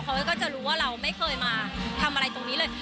เขาก็จะรู้ว่าเราไม่เคยมาทำอะไรตรงนี้เลย